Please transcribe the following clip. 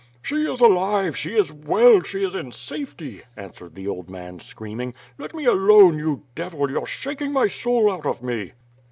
"She is alive; she is well; she is in safety!" answered the old man screaming. "Let me alone, you devil, you're shak ing my soul out of me."